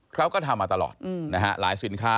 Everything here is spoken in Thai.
เขาก็ทำมาตลอดนะฮะหลายสินค้า